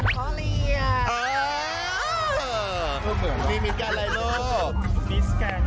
ใช่ค่ะแต่ว่าหนูมีความรู้สึกว่า